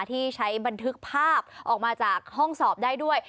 ที่ใช้บันทึกภาพออกมาจากห้องสอบได้ด้วย